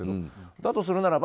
だとするならば